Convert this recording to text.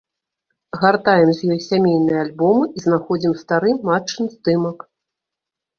Гартаем з ёй сямейныя альбомы і знаходзім стары матчын здымак.